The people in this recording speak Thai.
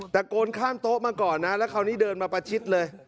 ตะโกนข้ามโต๊ะมาก่อนนะแล้วคราวนี้เดินมาประชิดเลย